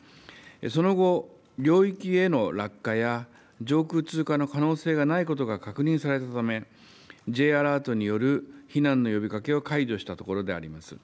その後、領域への落下や上空通過の可能性がないことが確認されたため、Ｊアラートによる避難の呼びかけを解除したところであります。